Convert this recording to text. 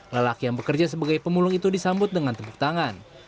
lelaki yang bekerja sebagai pemulung itu disambut dengan tepuk tangan